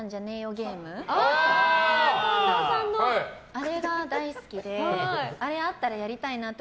あれが大好きであれあったらやりたいなと。